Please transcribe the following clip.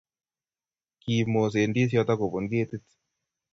Kiib moset ndisiot agobun ketit